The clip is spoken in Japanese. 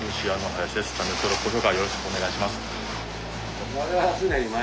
よろしくお願いします！